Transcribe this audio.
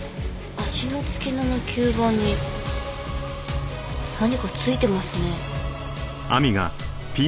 足の付け根の吸盤に何かついてますね。